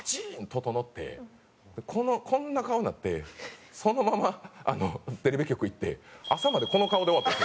ととのってこんな顔になってそのままテレビ局行って朝までこの顔で終わった。